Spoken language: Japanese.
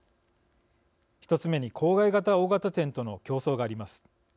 １つ目に郊外型大型店との競争があります。